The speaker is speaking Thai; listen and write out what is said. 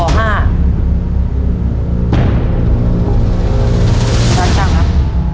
ค่ะช่างครับ